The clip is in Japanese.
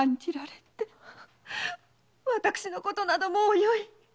私のことなどもうよい！